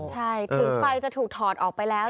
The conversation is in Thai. ใช่ถึงไฟจะถูกถอดออกไปแล้ว